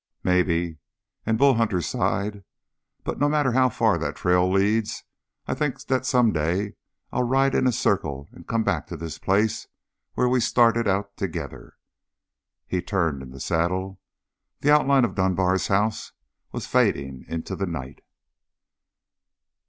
"Maybe," and Bull Hunter sighed. "But no matter how far the trail leads, I'm thinking that some day I'll ride in a circle and come back to this place where we started out together." He turned in the saddle. The outline of the Dunbar house was fading into the night.